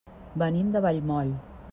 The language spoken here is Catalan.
Venim de Vallmoll.